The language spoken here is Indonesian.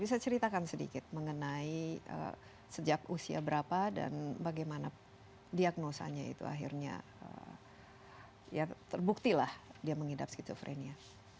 bisa ceritakan sedikit mengenai sejak usia berapa dan bagaimana diagnosanya itu akhirnya ya terbuktilah dia mengidap skizofrenia